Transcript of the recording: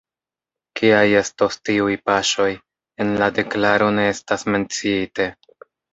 Kiaj estos tiuj paŝoj, en la deklaro ne estas menciite.